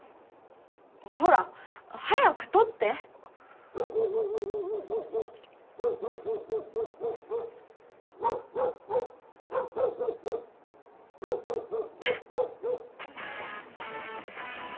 ほら早く取ってふふっ